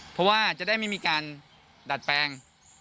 เพราะว่าจะได้ไม่มีการดัดแปลง